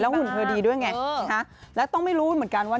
หุ่นเธอดีด้วยไงแล้วต้องไม่รู้เหมือนกันว่า